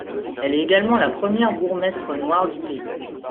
Elle est également la première bourgmestre noire du pays.